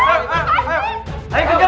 kejap ya tuhan